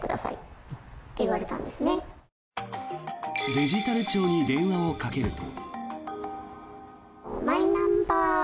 デジタル庁に電話をかけると。